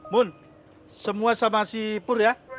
mun semua sama si pur ya